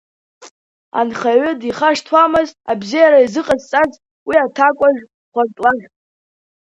Анхаҩы дихашҭуамызт абзера изыҟазҵаз уи аҭакәажә хәарҭлаӷь.